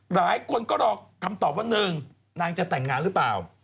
หลายคนก็รอคำตอบว่า๑นางจะแต่งงานหรือเปล่า